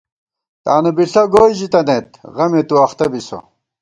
تانُو بِݪہ گوئی ژِتَنَئیت غمےتُو اختہ بِسہ